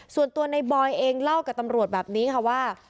ส่วนตัวในบอยเองเล่ากับตำรวจแบบนี้ค่ะว่า